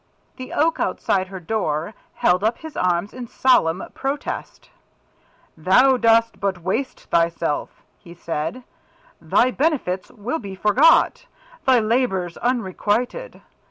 The Oak outside her door held up his arms in solemn protest. "Thou dost but waste thyself," he said. "Thy benefits will be forgot, thy labours unrequited.